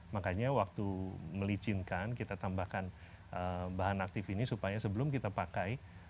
makanya waktu melicinkan kita tambahkan bahan aktif ini supaya sebelum kita pakai